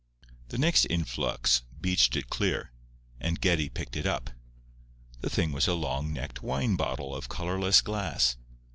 The next influx beached it clear, and Geddie picked it up. The thing was a long necked wine bottle of colourless glass.